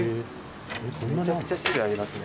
めちゃくちゃ種類ありますね」